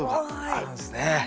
あるんですね。